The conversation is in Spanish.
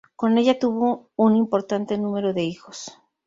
Con ella tuvo un importante número de hijos.